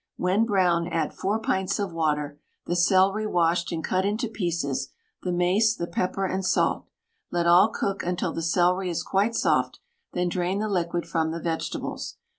When brown, add 4 pints of water, the celery washed and cut into pieces, the mace, the pepper and salt. Let all cook until the celery is quite soft, then drain the liquid from the vegetables.